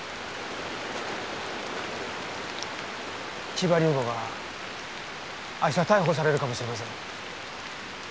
千葉竜吾が明日逮捕されるかもしれません。